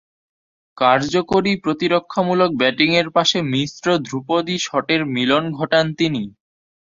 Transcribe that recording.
কার্যকরী প্রতিরক্ষামূলক ব্যাটিংয়ের পাশে মিশ্র ধ্রুপদী শটের মিলন ঘটান তিনি।